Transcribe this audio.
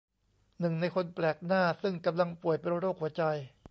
หนึ่งในคนแปลกหน้าซึ่งกำลังป่วยเป็นโรคหัวใจ